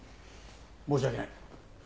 申し訳ない。